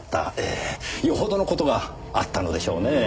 ええよほどの事があったのでしょうねぇ。